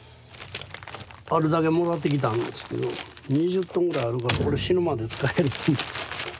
あるだけもらってきたんですけど２０トンぐらいあるからこれ死ぬまで使える。